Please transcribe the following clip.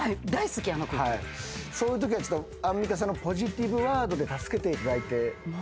そういうときはアンミカさんのポジティブワードで助けていただいて。